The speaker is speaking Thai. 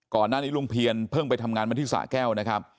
ก่อนหน้านี้ลุงเพียรเพิ่งไปทำงานมาที่สาแก้วนะครับ